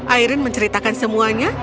airin menceritakan semuanya